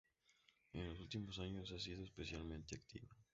En los últimos años ha sido especialmente activa.